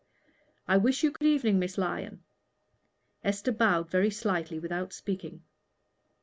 "I wish you good evening, Miss Lyon." Esther bowed very slightly, without speaking.